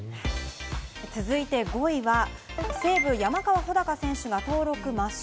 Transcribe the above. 続いて５位は、西武・山川穂高選手が登録抹消。